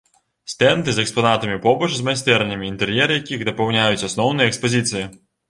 Стэнды з экспанатамі побач з майстэрнямі, інтэр'ер якіх дапаўняюць асноўныя экспазіцыі.